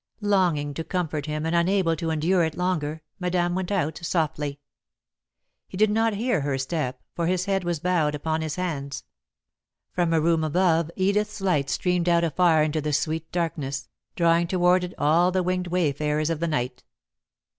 Longing to comfort him and unable to endure it longer, Madame went out, softly. He did not hear her step, for his head was bowed upon his hands. From a room above Edith's light streamed out afar into the sweet darkness, drawing toward it all the winged wayfarers of the night.